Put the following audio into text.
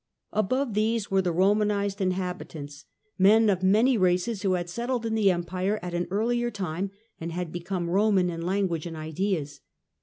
Above these were the Romanised inhabitants — men of many races, who had settled in the Empire at an earlier time, and had become Roman in language and ideas.